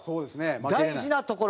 大事なところ。